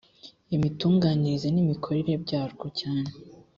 imitunganyirize n imikorere byarwo cyane